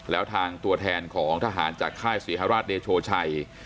แล้วทางตัวแทนของทหารจากค่ายศรีฮราชเดโชชัย